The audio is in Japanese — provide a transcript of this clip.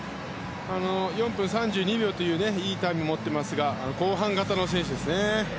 ４分３２秒といういいタイムを持っていますが後半型の選手ですね。